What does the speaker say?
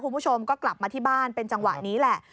คุณผู้ชมก็กลับมาที่บ้านเป็นจังหวะนี้แหละ